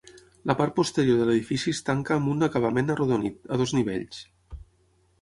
La part posterior de l'edifici es tanca amb un acabament arrodonit, a dos nivells.